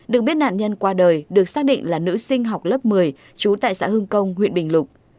được biết nạn nhân qua đời được xác định là nữ sinh học lớp một mươi chú tại xã hưng công huyện bình lục